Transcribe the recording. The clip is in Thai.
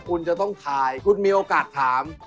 คุณจะต้องถ่ายคุณมีโอกาสถาม